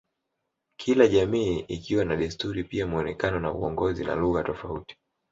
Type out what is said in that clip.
Kila jamii ikiwa na desturi pia muonekano na uongozi na lugha tofauti